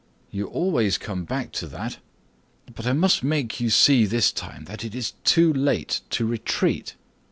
"You always come back to that; but I must make you see this time that it is too late to retreat."